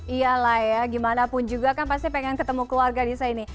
iya lah ya gimana pun juga kan pasti pengen ketemu keluarga di sini